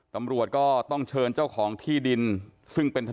จะไม่เคลียร์กันได้ง่ายนะครับ